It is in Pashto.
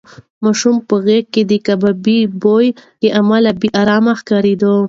ماشوم په غېږ کې د کباب بوی له امله بې ارامه ښکارېده.